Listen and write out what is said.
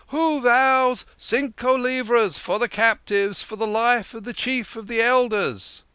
"Who vows cinco livras for the Captives for the life of the Chief of the Eld ers